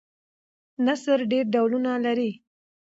نثر ډېر ډولونه لري.